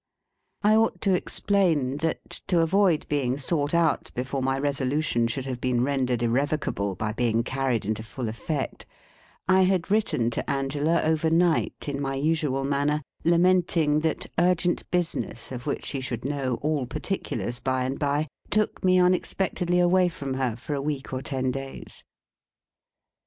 I ought to explain, that, to avoid being sought out before my resolution should have been rendered irrevocable by being carried into full effect, I had written to Angela overnight, in my usual manner, lamenting that urgent business, of which she should know all particulars by and by took me unexpectedly away from her for a week or ten days.